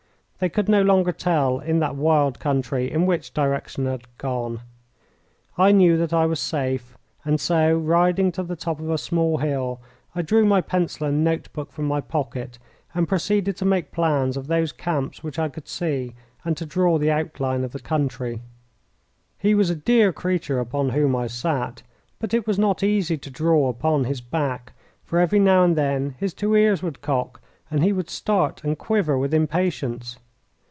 They could no longer tell in that wild country in which direction I had gone. I knew that I was safe, and so, riding to the top of a small hill, I drew my pencil and note book from my pocket and proceeded to make plans of those camps which I could see and to draw the outline of the country. He was a dear creature upon whom I sat, but it was not easy to draw upon his back, for every now and then his two ears would cock, and he would start and quiver with impatience.